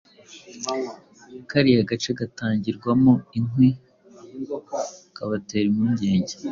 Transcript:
kariya gace gatangirwamo inkwi kabatera impungenge